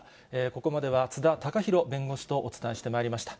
ここまでは津田岳宏弁護士とお伝えしてまいりました。